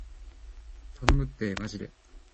頼むってーまじで